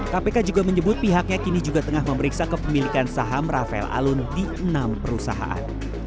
kpk juga menyebut pihaknya kini juga tengah memeriksa kepemilikan saham rafael alun di enam perusahaan